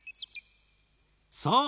そう！